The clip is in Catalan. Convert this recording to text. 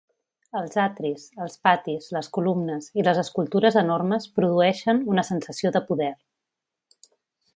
Els atris, els patis, les columnes i les escultures enormes produeixen una sensació de poder.